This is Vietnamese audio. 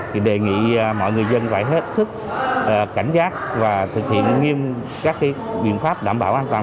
thì đề nghị mọi người dân phải hết sức cảnh giác và thực hiện nghiêm các biện pháp đảm bảo an toàn